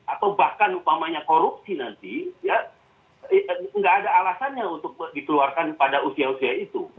atau bahkan upamanya korupsi nanti ya nggak ada alasannya untuk dikeluarkan pada usia usia itu